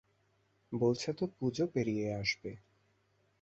বলছে তো পুজো পেরিয়ে আসবে।